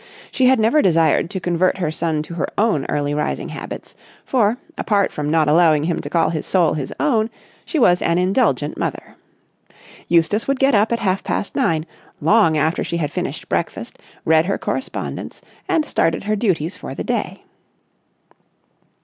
She had never desired to convert her son to her own early rising habits, for, apart from not allowing him to call his soul his own, she was an indulgent mother. Eustace would get up at half past nine, long after she had finished breakfast, read her correspondence, and started her duties for the day.